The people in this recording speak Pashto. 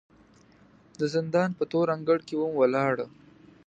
د زندان په تور انګړ کې وم ولاړه